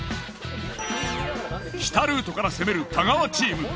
北ルートから攻める太川チーム。